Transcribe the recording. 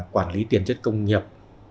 quản lý tiền chất công nghiệp